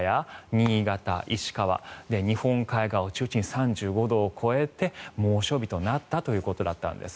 新潟、石川日本海側を中心に３５度を超えて猛暑日となったということだったんです。